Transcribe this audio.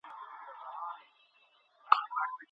خصوصي پوهنتون په ناڅاپي ډول نه انتقالیږي.